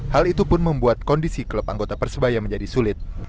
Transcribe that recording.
hal itu pun membuat kondisi klub anggota persebaya menjadi sulit